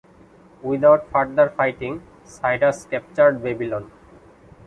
Without further fighting, Cyrus captured Babylon.